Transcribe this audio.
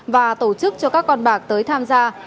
và tổ chức cho các con bạc tới tham gia